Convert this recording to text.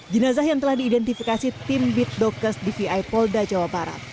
jinazah yang telah diidentifikasi tim bitdokers di vi polda jawa barat